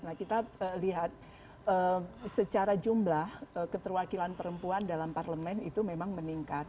nah kita lihat secara jumlah keterwakilan perempuan dalam parlemen itu memang meningkat